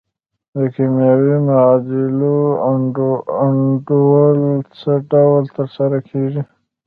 د کیمیاوي معادلو انډول څه ډول تر سره کیږي؟